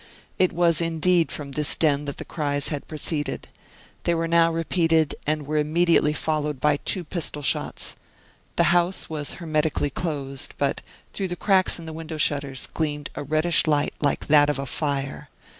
It was indeed from this den that the cries had proceeded. They were now repeated, and were immediately followed by two pistol shots. The house was hermetically closed, but through the cracks in the window shutters, gleamed a reddish light like that of a fire.